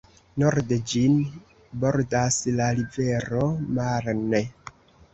Norde ĝin bordas la rivero Marne.